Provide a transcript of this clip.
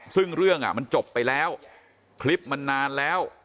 ซึ่งเรื่องมันจบไปแล้วคลิปมันนานแล้ว